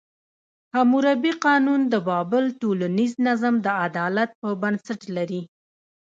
حموربي قانون د بابل ټولنیز نظم د عدالت په بنسټ لري.